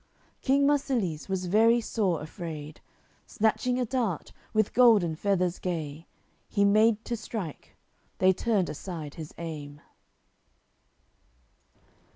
King Marsilies was very sore afraid, Snatching a dart, with golden feathers gay, He made to strike: they turned aside his aim.